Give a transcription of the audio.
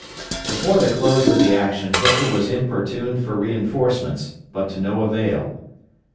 Before the close of the action Hooker was importuned for reinforcements, but to no avail.